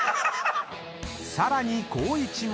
［さらに光一も］